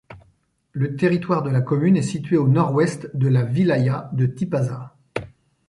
Le territoire de la commune est situé au nord-ouest de la wilaya de Tipaza.